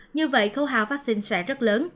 như vậy khấu hạo vaccine sẽ rất lớn